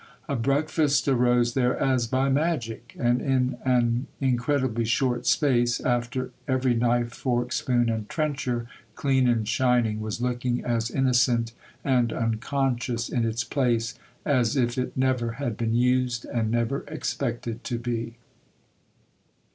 A breakfast arose there as by magic; and in an incredibly short space after, every knife, fork, spoon, and trencher, clean and shining, was looking as innocent and unconscious in its place as if it never had been used and never expected to be.